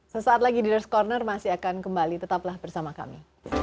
sesaat lagi ⁇ leaders ⁇ corner masih akan kembali tetaplah bersama kami